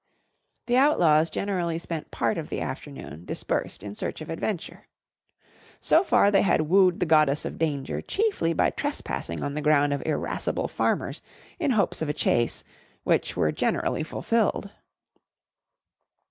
The Outlaws generally spent part of the afternoon dispersed in search of adventure. So far they had wooed the Goddess of Danger chiefly by trespassing on the ground of irascible farmers in hopes of a chase which were generally fulfilled.